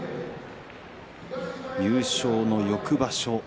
優勝の翌場所